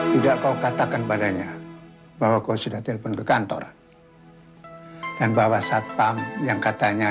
tidak kau katakan padanya bahwa kau sudah telpon ke kantor dan bahwa satpam yang katanya